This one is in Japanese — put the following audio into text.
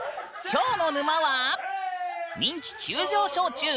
きょうの沼は人気急上昇中！